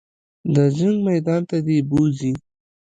د جنګ میدان ته دې بوځي.